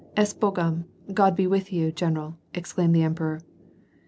" S Bogom, God be with you general," exclaimed the em peror.